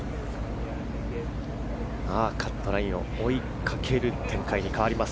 カットラインを追いかける展開に変わります